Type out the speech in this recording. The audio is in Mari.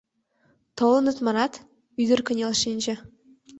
— Толыныт, манат? — ӱдыр кынел шинче.